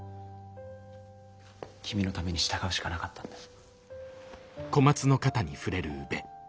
君のために従うしかなかったんだ。